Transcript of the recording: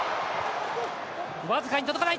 僅かに届かない。